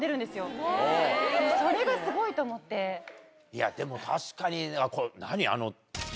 いやでも確かに何あの。